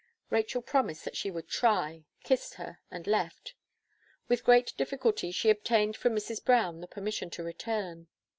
Rachel promised that she would try, kissed her and left. With great difficulty she obtained from Mrs. Brown the permission to return.